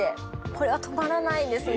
これは止まらないですね。